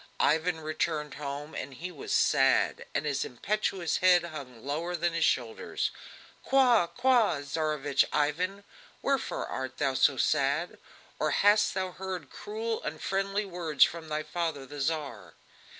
Ivan returned home, and he was sad, and his impetuous head hung lower than his shoulders. "Qua! qua! Tsarevich Ivan! wherefore art thou so sad? Or hast thou heard cruel, unfriendly words from thy father the Tsar?"